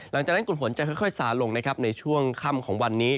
หลังจากนั้นกลุ่มฝนจะค่อยสาลงนะครับในช่วงค่ำของวันนี้